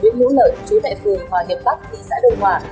biến mũ lợi trú tại phường hòa hiệp bắc thị xã đồng hòa